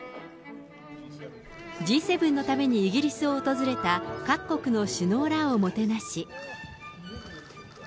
Ｇ７のためにイギリスを訪れた、各国の首脳らをもてなし。